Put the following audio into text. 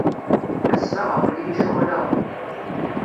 Ass-a, aql-iyi ceɣleɣ.